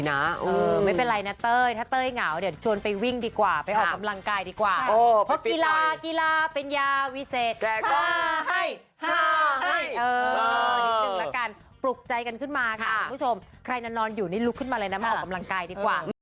ได้ไม่เหงาได้ไม่เหงาค่ะได้มีเพื่อนเยอะค่ะ